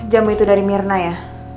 jamu itu dari mirna ya